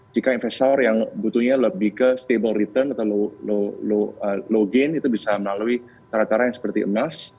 jika investor yang butuhnya lebih ke stable return atau low gain itu bisa melalui cara cara yang seperti emas